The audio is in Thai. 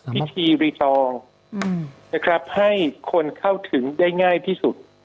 พิธีรีตองนะครับให้คนเข้าถึงได้ง่ายที่สุด